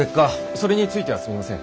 それについてはすみません。